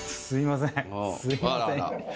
すいません。